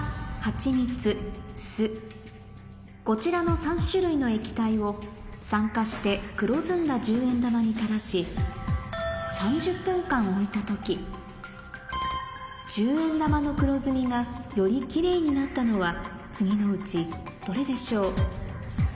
こちらの３種類の液体を酸化して黒ずんだ１０円玉に垂らし１０円玉の黒ずみがよりきれいになったのは次のうちどれでしょう？